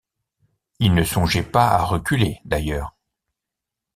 Il ne songeait pas à reculer d’ailleurs.